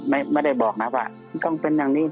ไม่ได้บอกนะว่าต้องเป็นอย่างนี้